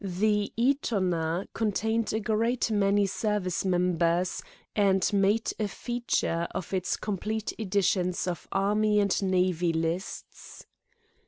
The Etona contained a great many service members, and made a feature of its complete editions of Army and Navy lists.